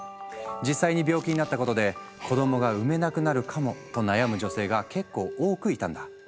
実際に病気になったことで子どもが産めなくなるかもと悩む女性が結構多くいたんだ。